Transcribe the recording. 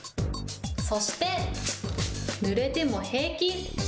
そして、ぬれても平気。